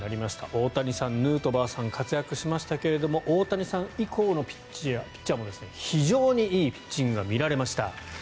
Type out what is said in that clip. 大谷さん、ヌートバーさん活躍しましたけど大谷さん以降のピッチャーも非常にいいピッチングが見られました。